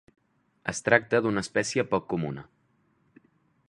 Es tracta d'una espècie poc comuna.